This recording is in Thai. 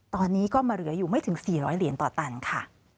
ตอนนี้ก็มาเหลืออยู่ไม่ถึง๔๐๐เหรียญต่อตันค่ะ